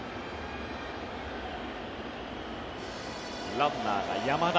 ランナーが山田。